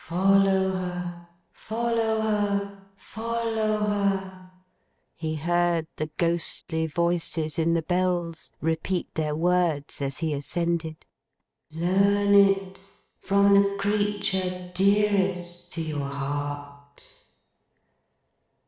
Follow her! Follow her!' He heard the ghostly voices in the Bells repeat their words as he ascended. 'Learn it, from the creature dearest to your heart!